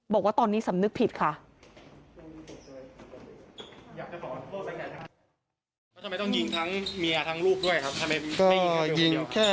บอกว่าตอนนี้สำนึกผิดค่ะ